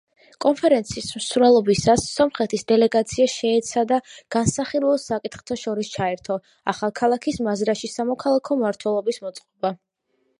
კონფერენციის მსვლელობისას სომხეთის დელეგაცია შეეცადა განსახილველ საკითხთა შორის ჩაერთო, ახალქალაქის მაზრაში სამოქალაქო მმართველობის მოწყობა.